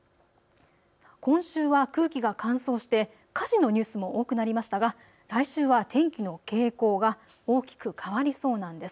今週は空気が乾燥して火事のニュースも多くなりましたが来週は天気の傾向が大きく変わりそうなんです。